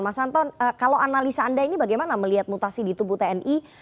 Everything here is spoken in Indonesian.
mas anton kalau analisa anda ini bagaimana melihat mutasi di tubuh tni